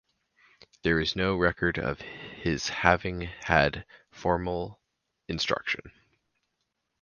There is no record of his having had formal instruction.